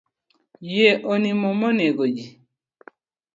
Yie onimo mo negoji.